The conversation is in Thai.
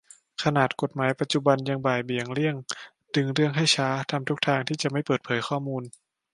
ขนาดกฎหมายปัจจุบัน ยังบ่ายเบี่ยง เลี่ยง ดึงเรื่องให้ช้า ทำทุกทางที่จะไม่เปิดเผยข้อมูล